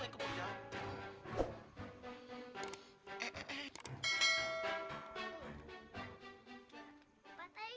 kamu menanganinya sehat juga sekali